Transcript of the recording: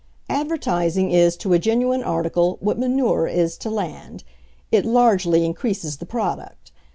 Advertising is to a genuine article what manure is to land, it largely increases the product.